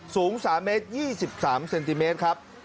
สูง๓เมตร๒๓เซนติเมตรครับ